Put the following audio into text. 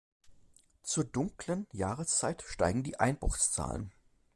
Zur dunklen Jahreszeit steigen die Einbruchszahlen.